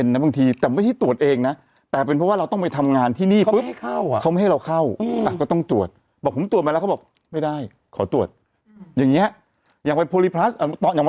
ใช่เป็นงานแต่งงานใช่เป็นงานวันเกิดอะไรอย่างเงี้ยทุกคนตรวจเอทิเคย์หน้างานหมดเลยนะ